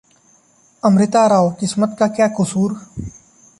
अमृता राव: किस्मत का क्या कुसूर